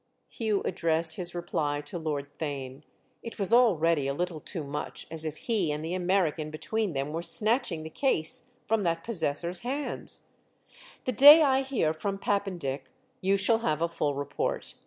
Hugh addressed his reply to Lord Theign; it was already a little too much as if he and the American between them were snatching the case from that possessor's hands. "The day I hear from Pappendick you shall have a full report.